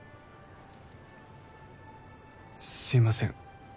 すいません